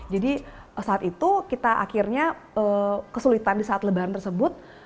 jadi saat itu kita akhirnya kesulitan di saat lebaran tersebut